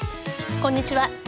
こんにちは。